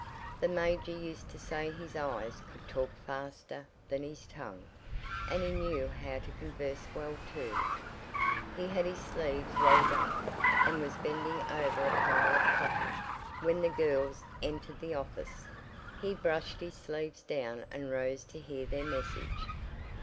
The major used to say his eyes could talk faster than his tongue and he knew how to converse well, too. He had his sleeves rolled up, and was bending over a pile of "copy" when the girls entered the office. He brushed his sleeves down and rose to hear their message.